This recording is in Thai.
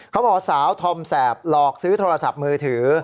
เขาบอกสาวธอมแสบหลอกซื้อโทรศัพท์มือถือ